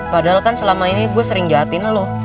padahal kan selama ini gue sering jahatin lo